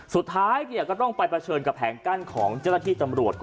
สุดท้ายเนี่ยก็ต้องไปเผชิญกับแผงกั้นของเจ้าละทิสัมหลวท